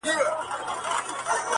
حقيقت ورو ورو ښکاره کيږي تل,